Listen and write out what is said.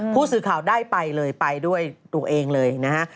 ผู้สื่อข่าวได้ไปเลยไปด้วยตัวเองเลยนะฮะ